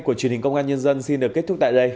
của truyền hình công an nhân dân xin được kết thúc tại đây